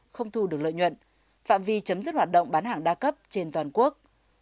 không thu được lợi nhuận phạm vi chấm dứt hoạt động bán hàng đa cấp trên toàn quốc